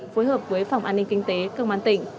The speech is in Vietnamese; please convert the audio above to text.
phối hợp với phòng an ninh kinh tế công an tỉnh